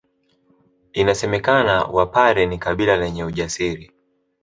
Inasemekana Wapare ni kabila lenye ujasiri